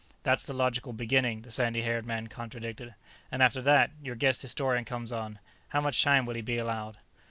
"That's the logical beginning," the sandy haired man contradicted. "And after that, your guest historian comes on; how much time will he be allowed?"